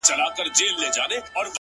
په خــــنــدا كيــسـه شـــــروع كړه؛